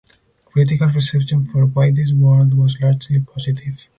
Critical reception for "Why This World" was largely positive.